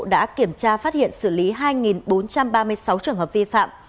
đã kiểm tra phát hiện xử lý hai bốn trăm ba mươi sáu trường hợp vi phạm